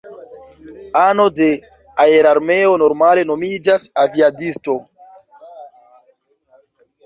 Ano de aerarmeo normale nomiĝas aviadisto.